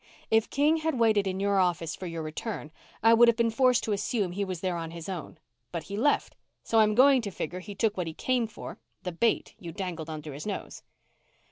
If King had waited in your office for your return, I would have been forced to assume he was there on his own. But he left, so I'm going to figure he took what he came for the bait you dangled under his nose."